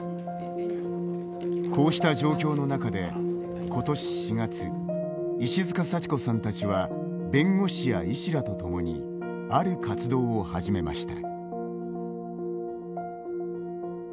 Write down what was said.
こうした状況の中で、今年４月石塚幸子さんたちは弁護士や医師らと共にある活動を始めました。